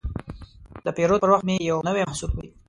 د پیرود پر وخت مې یو نوی محصول ولید.